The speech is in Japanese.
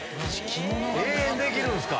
永遠できるんすか？